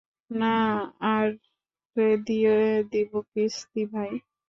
নাহ, আরে দিয়ে দিবো কিস্তি, ভাই।